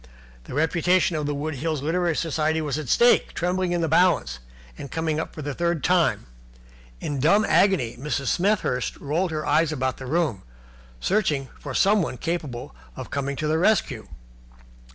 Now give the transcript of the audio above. The reputation of the Wood Hills Literary Society was at stake, trembling in the balance, and coming up for the third time. In dumb agony Mrs. Smethurst rolled her eyes about the room searching for someone capable of coming to the rescue.